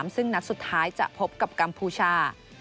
ซึ่งนัดสุดท้ายจะพบกับกัมพูชา